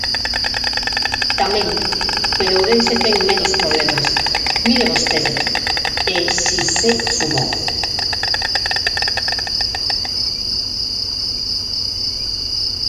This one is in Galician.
Tamén, pero Ourense ten menos problemas, mire vostede, e si se sumou.